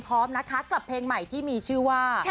พร้อมนะคะกับเพลงใหม่ที่มีชื่อว่า